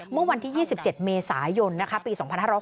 เมื่อวันที่๒๗เมษายนปี๒๕๖๐